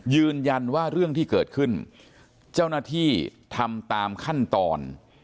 ยืนยันว่าเรื่องที่เกิดขึ้นเจ้าหน้าที่ทำตามขั้นตอน